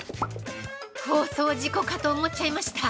◆放送事故かと思っちゃいました。